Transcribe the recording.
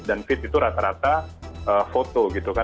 dan feed itu rata rata foto gitu kan